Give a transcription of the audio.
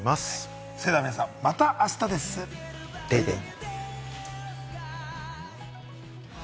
それでは皆さんまたあしたでデイデイ！